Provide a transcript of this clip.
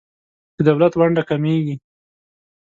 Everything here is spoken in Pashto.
د دولت ونډه کمیږي.